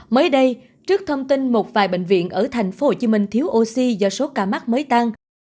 mới đây trước thông tin một vài bệnh viện ở thành phố hồ chí minh thiếu oxy do số ca mắc mới tăng